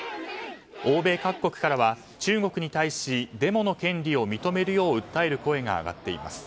欧米各国からは中国に対しデモの権利を認めるよう訴える声が上がっています。